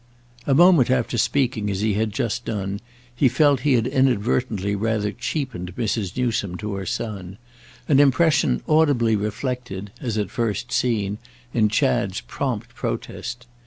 A moment after speaking as he had just done he felt he had inadvertently rather cheapened Mrs. Newsome to her son; an impression audibly reflected, as at first seen, in Chad's prompt protest.